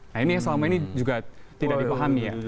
nah ini yang selama ini juga tidak dipahami ya